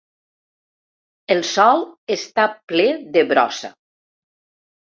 El sòl està ple de brossa.